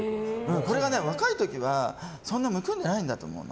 これが若い時は全然むくんでないと思うの。